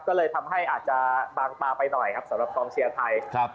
ก็เลยทำให้อาจจะบางตาไปหน่อยครับสำหรับกองเชียร์ไทยครับ